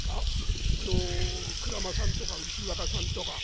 あの鞍馬さんとか牛若さんとか」。